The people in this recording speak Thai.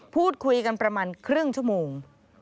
พูดคุยกันประมาณครึ่งชั่วโมง